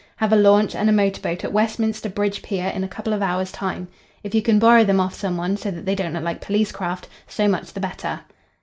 Have a launch and a motor boat at Westminster Bridge Pier in a couple of hours' time. If you can borrow them off some one, so that they don't look like police craft, so much the better."